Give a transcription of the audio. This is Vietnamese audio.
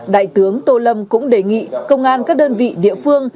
đại tướng tô lâm cũng đề nghị công an các đơn vị địa phương